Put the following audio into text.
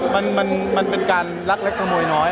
มันเป็นการลักลักอยากขโมยน้อย